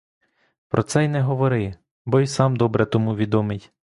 Про це й не говори, бо й сам добре тому відомий.